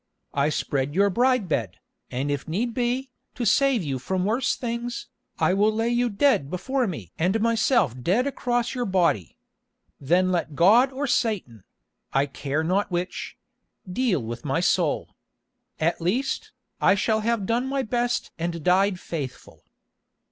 I spread your bride bed, and if need be, to save you from worse things, I will lay you dead before me and myself dead across your body. Then let God or Satan—I care not which—deal with my soul. At least, I shall have done my best and died faithful."